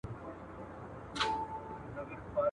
تور او سپین د سترګو دواړه ستا پر پل درته لیکمه `